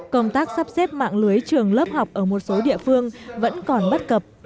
công tác sắp xếp mạng lưới trường lớp học ở một số địa phương vẫn còn bất cập